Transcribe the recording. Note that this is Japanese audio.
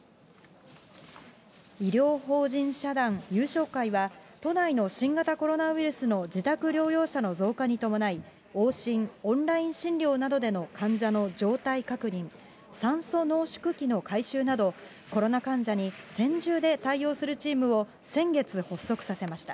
医療法人社団悠翔会は、都内の新型コロナウイルスの自宅療養者の増加に伴い、往診、オンライン診療などでの患者の状態確認、酸素濃縮器の回収など、コロナ患者に専従で対応するチームを先月発足させました。